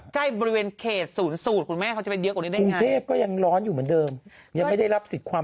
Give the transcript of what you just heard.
ที่เหนือที่ลำบังบ้านหนูหนาวนะ